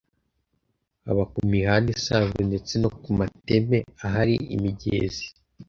haba ku mihanda isanzwe ndetse no ku mateme ahari imigezi